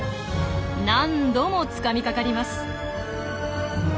何度もつかみかかります。